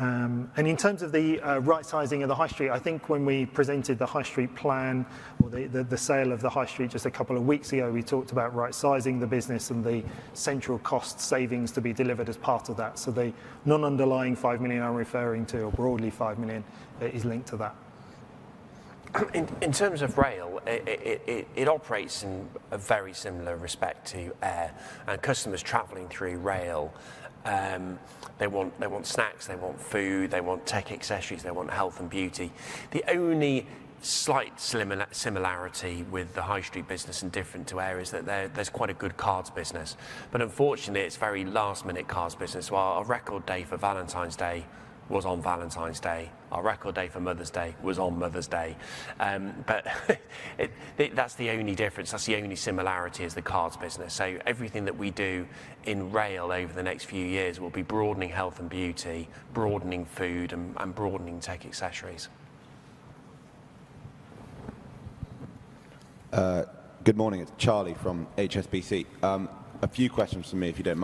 In terms of the right-sizing of the high street, I think when we presented the high street plan or the sale of the high street just a couple of weeks ago, we talked about right-sizing the business and the central cost savings to be delivered as part of that. The non-underlying 5 million I'm referring to, or broadly 5 million, is linked to that. In terms of rail, it operates in a very similar respect to air. Customers traveling through rail, they want snacks, they want food, they want tech accessories, they want health and beauty. The only slight similarity with the high street business and different to air is that there is quite a good cards business. Unfortunately, it is very last minute cards business. While our record day for Valentine's Day was on Valentine's Day, our record day for Mother's Day was on Mother's Day. That is the only difference. The only similarity is the cards business. Everything that we do in rail over the next few years will be broadening health and beauty, broadening food, and broadening tech accessories. Good morning. It is Charlie from HSBC. A few questions from me, if you do not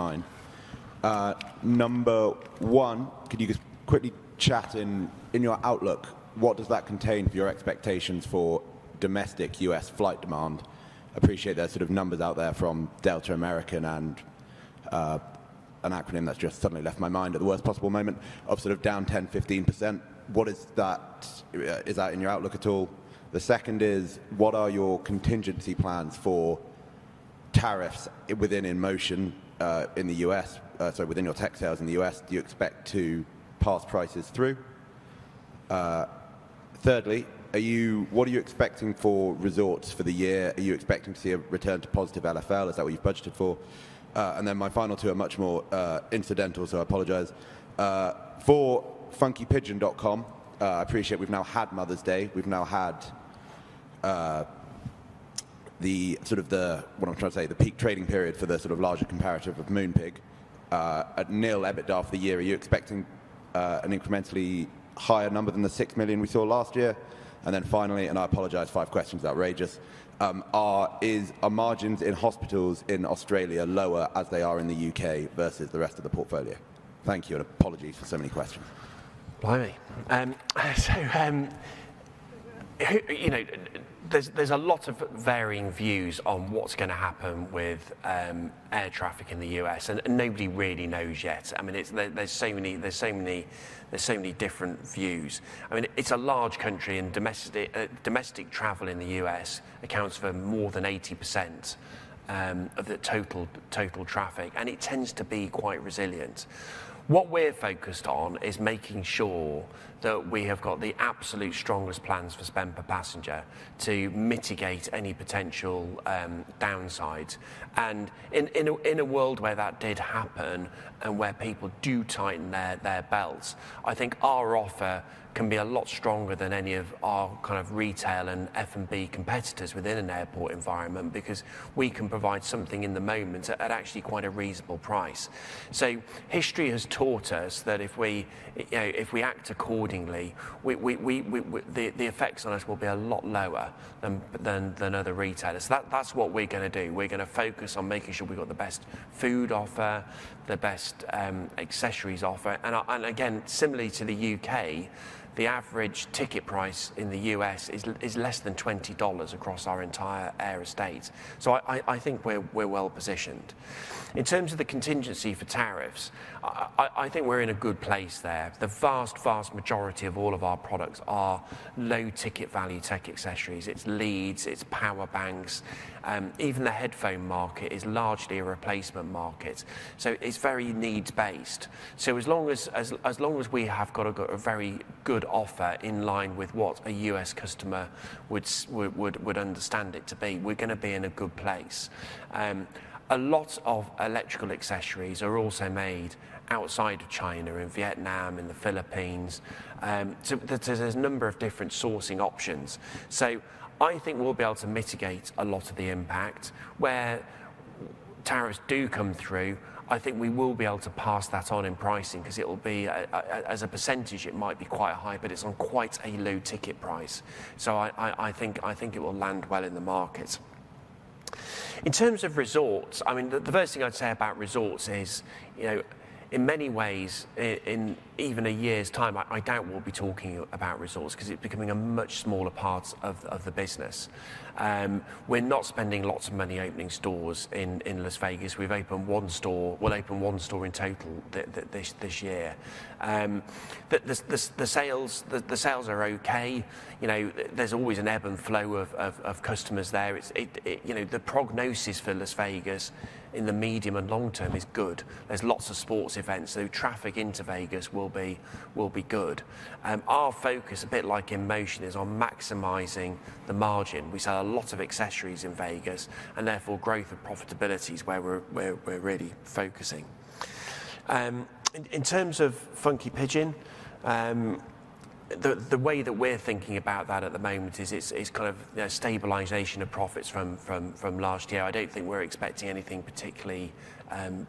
mind. Number one, could you just quickly chat in your outlook? What does that contain for your expectations for domestic U.S. flight demand? Appreciate there's sort of numbers out there from Delta, American and an acronym that's just suddenly left my mind at the worst possible moment of sort of down 10%-15%. What is that? Is that in your outlook at all? The second is, what are your contingency plans for tariffs within InMotion in the U.S.? Sorry, within your tech sales in the U.S., do you expect to pass prices through? Thirdly, what are you expecting for resorts for the year? Are you expecting to see a return to positive LFL? Is that what you've budgeted for? And then my final two are much more incidental, so I apologize. For funkypigeon.com, I appreciate we've now had Mother's Day. We've now had the sort of the, what I'm trying to say, the peak trading period for the sort of larger comparative of Moonpig. At nil EBITDA the year, are you expecting an incrementally higher number than the 6 million we saw last year? Finally, and I apologize, five questions outrageous. Are margins in hospitals in Australia lower as they are in the U.K. versus the rest of the portfolio? Thank you and apologies for so many questions. Blimey. There are a lot of varying views on what's going to happen with air traffic in the U.S., and nobody really knows yet. I mean, there are so many different views. I mean, it's a large country, and domestic travel in the U.S. accounts for more than 80% of the total traffic, and it tends to be quite resilient. What we're focused on is making sure that we have got the absolute strongest plans for spend per passenger to mitigate any potential downsides. In a world where that did happen and where people do tighten their belts, I think our offer can be a lot stronger than any of our kind of retail and F&B competitors within an airport environment because we can provide something in the moment at actually quite a reasonable price. History has taught us that if we act accordingly, the effects on us will be a lot lower than other retailers. That's what we're going to do. We're going to focus on making sure we've got the best food offer, the best accessories offer. Similarly to the U.K., the average ticket price in the U.S. is less than $20 across our entire air estate. I think we're well positioned. In terms of the contingency for tariffs, I think we're in a good place there. The vast, vast majority of all of our products are low ticket value tech accessories. It's leads, it's power banks. Even the headphone market is largely a replacement market. It is very needs-based. As long as we have got a very good offer in line with what a U.S. customer would understand it to be, we're going to be in a good place. A lot of electrical accessories are also made outside of China, in Vietnam, in the Philippines. There are a number of different sourcing options. I think we'll be able to mitigate a lot of the impact. Where tariffs do come through, I think we will be able to pass that on in pricing because it will be, as a percentage, it might be quite high, but it is on quite a low ticket price. I think it will land well in the markets. In terms of resorts, the first thing I would say about resorts is, in many ways, in even a year's time, I doubt we will be talking about resorts because it is becoming a much smaller part of the business. We are not spending lots of money opening stores in Las Vegas. We have opened one store. We will open one store in total this year. The sales are okay. There is always an ebb and flow of customers there. The prognosis for Las Vegas in the medium and long term is good. There are lots of sports events, so traffic into Vegas will be good. Our focus, a bit like InMotion, is on maximizing the margin. We sell a lot of accessories in Vegas, and therefore growth of profitability is where we're really focusing. In terms of Funky Pigeon, the way that we're thinking about that at the moment is kind of stabilization of profits from last year. I don't think we're expecting anything particularly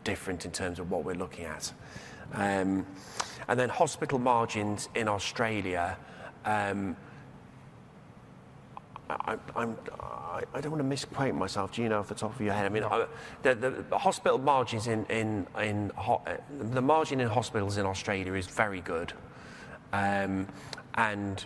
different in terms of what we're looking at. I mean, the hospital margins in Australia, I don't want to misquote myself. Do you know off the top of your head? I mean, the hospital margins in the margin in hospitals in Australia is very good and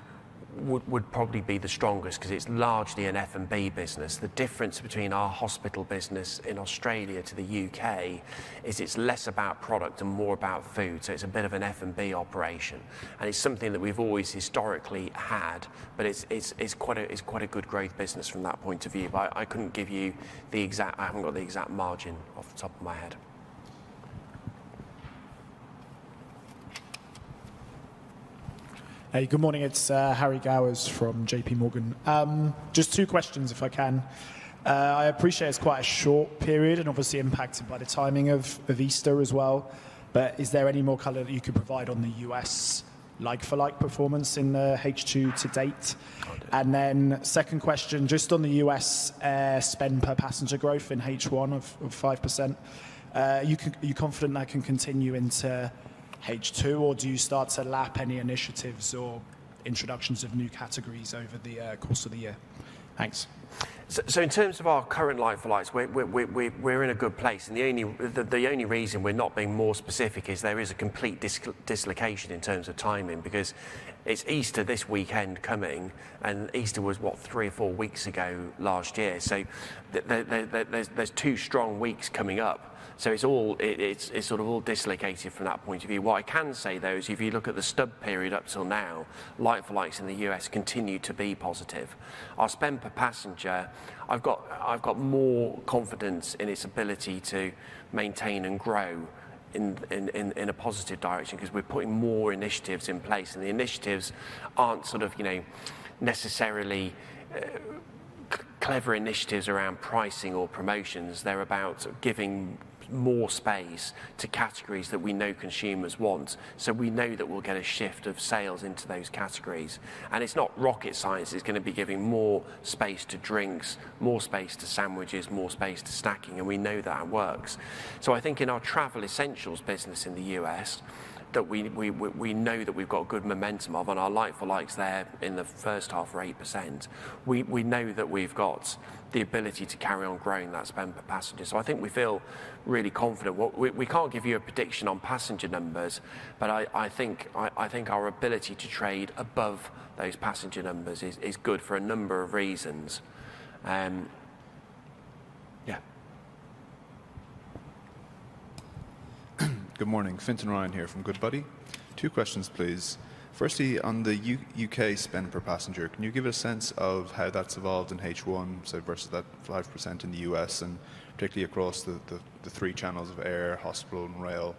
would probably be the strongest because it's largely an F&B business. The difference between our hospital business in Australia to the U.K. is it's less about product and more about food. It's a bit of an F&B operation. It's something that we've always historically had, but it's quite a good growth business from that point of view. I couldn't give you the exact, I haven't got the exact margin off the top of my head. Hey, good morning. It's Harry Gowers from JPMorgan. Just two questions, if I can. I appreciate it's quite a short period and obviously impacted by the timing of Easter as well. Is there any more color that you could provide on the U.S. like-for-like performance in H2 to date? Second question, just on the U.S. spend per passenger growth in H1 of 5%, are you confident that can continue into H2, or do you start to lap any initiatives or introductions of new categories over the course of the year? Thanks. In terms of our current like-for-likes, we're in a good place. The only reason we're not being more specific is there is a complete dislocation in terms of timing because it's Easter this weekend coming, and Easter was, what, three or four weeks ago last year. There are two strong weeks coming up. It is sort of all dislocated from that point of view. What I can say, though, is if you look at the stub period up till now, like-for-likes in the U.S. continue to be positive. Our spend per passenger, I've got more confidence in its ability to maintain and grow in a positive direction because we're putting more initiatives in place. The initiatives aren't necessarily clever initiatives around pricing or promotions. They are about giving more space to categories that we know consumers want. We know that we'll get a shift of sales into those categories. It is not rocket science. It's going to be giving more space to drinks, more space to sandwiches, more space to snacking. We know that works. I think in our Travel Essentials business in the U.S. that we know that we've got good momentum of, and our like-for-likes there in the first half are 8%. We know that we've got the ability to carry on growing that spend per passenger. I think we feel really confident. We can't give you a prediction on passenger numbers, but I think our ability to trade above those passenger numbers is good for a number of reasons. Yeah. Good morning. Fintan Ryan here from Goodbody. Two questions, please. Firstly, on the U.K. spend per passenger, can you give a sense of how that's evolved in H1, so versus that 5% in the U.S., and particularly across the three channels of air, hospital, and rail?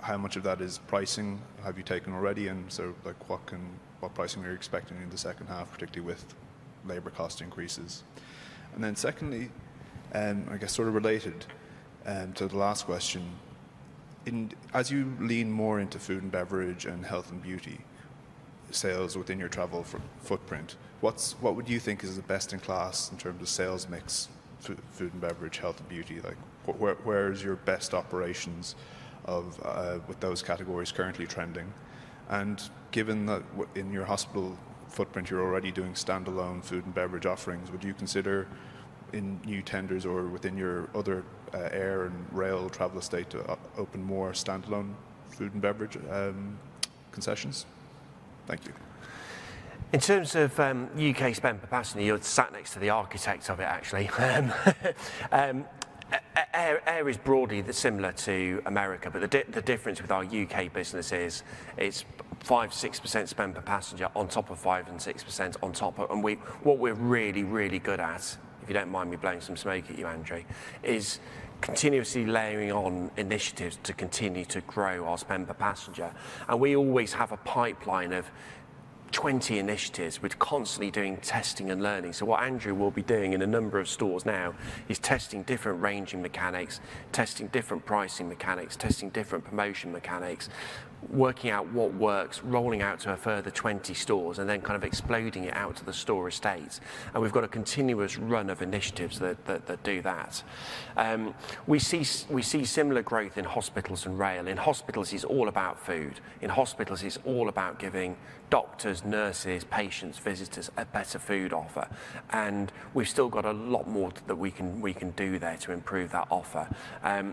How much of that is pricing have you taken already? What pricing are you expecting in the second half, particularly with labor cost increases? Secondly, I guess sort of related to the last question, as you lean more into food and beverage and health and beauty sales within your travel footprint, what would you think is the best in class in terms of sales mix for food and beverage, health and beauty? Where is your best operations with those categories currently trending? Given that in your hospital footprint, you are already doing standalone food and beverage offerings, would you consider in new tenders or within your other air and rail travel estate to open more standalone food and beverage concessions? Thank you. In terms of U.K. spend per passenger, you are sat next to the architect of it, actually. Air is broadly similar to America, but the difference with our U.K. business is it's 5%-6% spend per passenger on top of 5% and 6% on top of. What we're really, really good at, if you don't mind me blowing some smoke at you, Andrew, is continuously layering on initiatives to continue to grow our spend per passenger. We always have a pipeline of 20 initiatives. We're constantly doing testing and learning. What Andrew will be doing in a number of stores now is testing different ranging mechanics, testing different pricing mechanics, testing different promotion mechanics, working out what works, rolling out to a further 20 stores, and then kind of exploding it out to the store estates. We've got a continuous run of initiatives that do that. We see similar growth in hospitals and rail. In hospitals, it's all about food. In hospitals, it's all about giving doctors, nurses, patients, visitors a better food offer. We have still got a lot more that we can do there to improve that offer.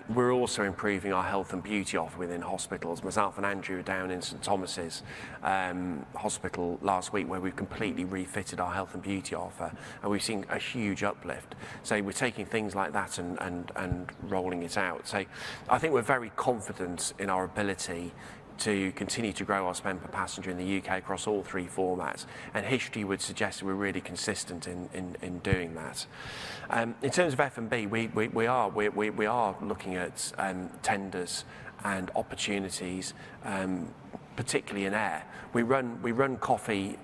We are also improving our health and beauty offer within hospitals. Myself and Andrew were down in St Thomas' Hospital last week where we have completely refitted our health and beauty offer, and we have seen a huge uplift. We are taking things like that and rolling it out. I think we are very confident in our ability to continue to grow our spend per passenger in the U.K. across all three formats. History would suggest that we are really consistent in doing that. In terms of F&B, we are looking at tenders and opportunities, particularly in air. We run coffee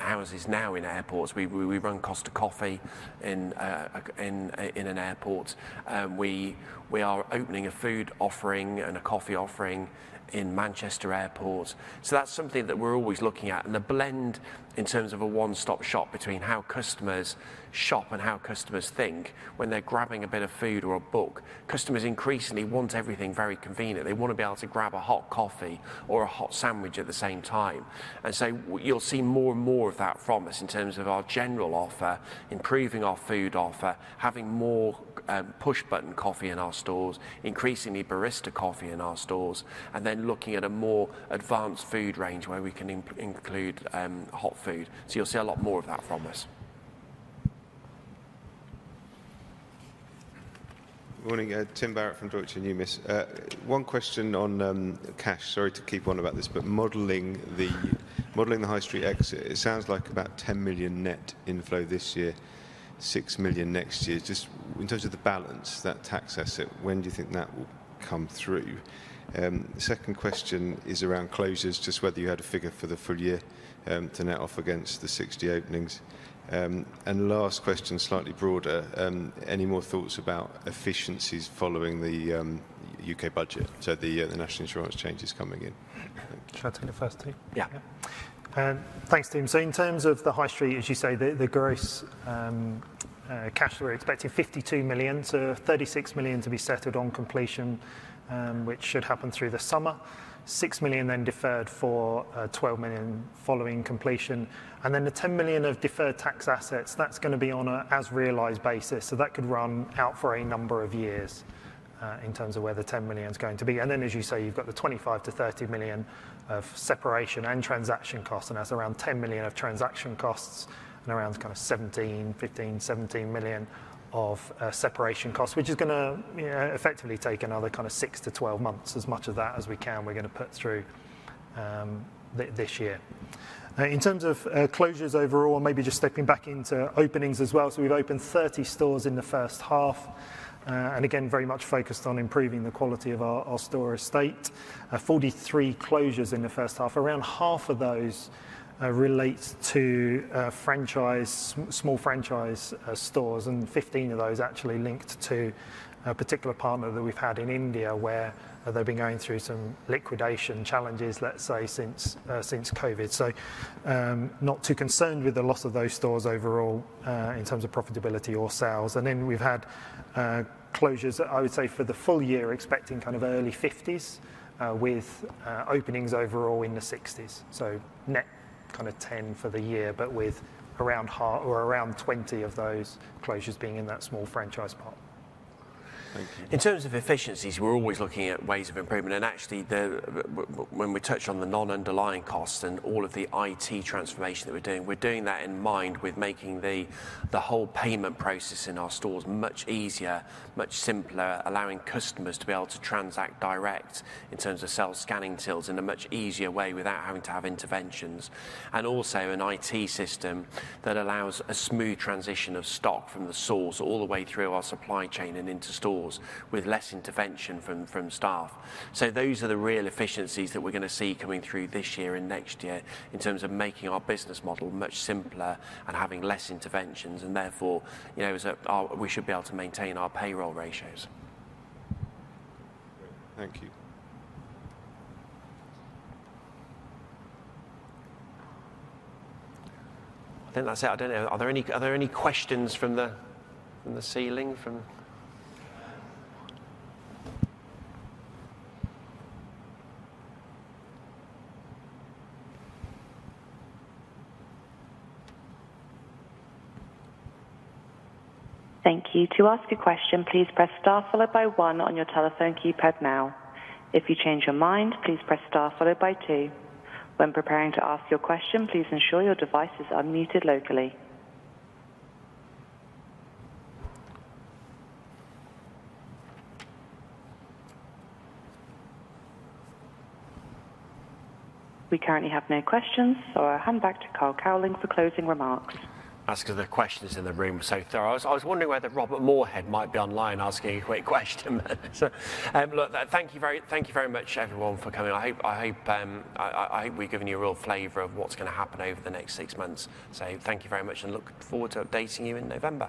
houses now in airports. We run Costa Coffee in an airport. We are opening a food offering and a coffee offering in Manchester Airport. That is something that we are always looking at. The blend in terms of a one-stop shop between how customers shop and how customers think when they are grabbing a bit of food or a book, customers increasingly want everything very convenient. They want to be able to grab a hot coffee or a hot sandwich at the same time. You will see more and more of that from us in terms of our general offer, improving our food offer, having more push-button coffee in our stores, increasingly barista coffee in our stores, and then looking at a more advanced food range where we can include hot food. You will see a lot more of that from us. Good morning. Tim Barrett from Deutsche Numis. One question on cash. Sorry to keep on about this, but modelling the high street exit, it sounds like about 10 million net inflow this year, 6 million next year. Just in terms of the balance, that tax asset, when do you think that will come through? Second question is around closures, just whether you had a figure for the full year to net off against the 60 openings. Last question, slightly broader, any more thoughts about efficiencies following the U.K. budget, so the national insurance changes coming in? Should I take the first three? Yeah. Thanks, Tim. In terms of the high street, as you say, the gross cash, we are expecting 52 million, so 36 million to be settled on completion, which should happen through the summer. 6 million then deferred for 12 million following completion. The 10 million of deferred tax assets, that's going to be on an as-realised basis. That could run out for a number of years in terms of where the 10 million is going to be. As you say, you've got the 25 million-30 million of separation and transaction costs. That's around 10 million of transaction costs and around 15 million-17 million of separation costs, which is going to effectively take another 6-12 months. As much of that as we can, we're going to put through this year. In terms of closures overall, maybe just stepping back into openings as well. We've opened 30 stores in the first half. Very much focused on improving the quality of our store estate. 43 closures in the first half. Around half of those relate to small franchise stores, and 15 of those actually linked to a particular partner that we've had in India where they've been going through some liquidation challenges, let's say, since COVID. Not too concerned with the loss of those stores overall in terms of profitability or sales. We've had closures, I would say, for the full year, expecting kind of early 50s with openings overall in the 60s. Net kind of 10 for the year, but with around 20 of those closures being in that small franchise part. In terms of efficiencies, we're always looking at ways of improvement. Actually, when we touch on the non-underlying costs and all of the IT transformation that we're doing, we're doing that in mind with making the whole payment process in our stores much easier, much simpler, allowing customers to be able to transact direct in terms of self-scanning tills in a much easier way without having to have interventions. Also, an IT system that allows a smooth transition of stock from the source all the way through our supply chain and into stores with less intervention from staff. Those are the real efficiencies that we're going to see coming through this year and next year in terms of making our business model much simpler and having less interventions, and therefore we should be able to maintain our payroll ratios. Thank you. I think that's it. I don't know. Are there any questions from the ceiling? Thank you. To ask a question, please press star followed by one on your telephone keypad now. If you change your mind, please press star followed by two. When preparing to ask your question, please ensure your device is unmuted locally. We currently have no questions, so I'll hand back to Carl Cowling for closing remarks. Asking the questions in the room. I was wondering whether Robert Moorhead might be online asking a quick question. Thank you very much, everyone, for coming. I hope we've given you a real flavour of what's going to happen over the next six months. Thank you very much, and look forward to updating you in November.